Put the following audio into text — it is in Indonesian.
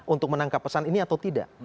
untuk menangkap pesan ini atau tidak